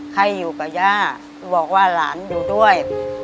ให้อยู่กับย่าบอกว่าหลานอยู่ด้วย